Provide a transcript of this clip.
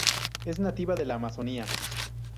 Es nativa de la Amazonia.